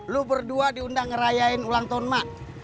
lu berdua diundang ngerayain ulang tahun mak